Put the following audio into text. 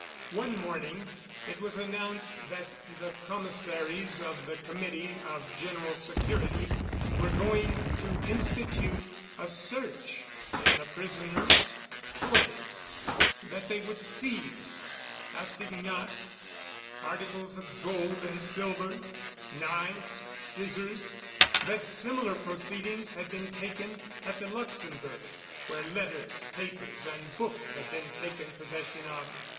One morning it was announced that the Commissaries of the Committee of General Security were going to institute a search in the prisoners' quarters, that they would seize assignats, articles of gold and silver, knives, scissors; that similar proceedings had been taken at the Luxembourg, where letters, papers, and books had been taken possession of.